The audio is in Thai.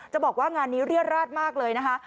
บอกว่างานนี้เรียดราดมากเลยนะคะ